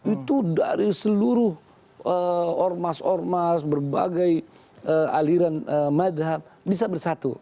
itu dari seluruh ormas ormas berbagai aliran madhab bisa bersatu